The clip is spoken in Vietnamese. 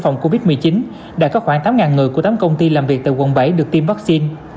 phòng covid một mươi chín đã có khoảng tám người của tám công ty làm việc tại quận bảy được tiêm vaccine